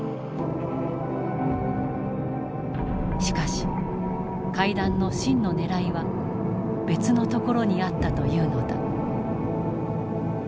しかし会談の真のねらいは別のところにあったというのだ。